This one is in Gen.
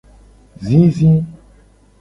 Zizi.